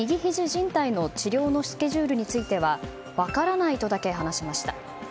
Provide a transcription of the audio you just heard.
じん帯の治療のスケジュールについては分からないとだけ話しました。